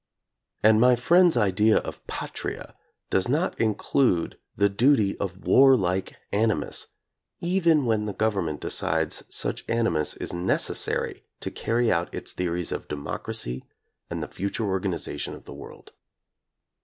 And my friend's idea of patria does not include the duty of warlike animus, even when the government decides such animus is necessary to carry out its theories of democracy and the future organization of the world.